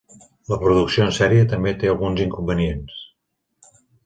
La producció en sèrie també té alguns inconvenients.